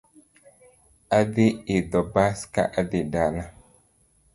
Adhi idho bas ka adhi dala